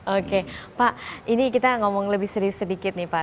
oke pak ini kita ngomong lebih serius sedikit nih pak